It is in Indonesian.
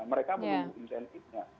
mereka menutup insentifnya